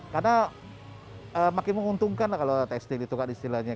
karena makin menguntungkan kalau tekstil ditukar istilahnya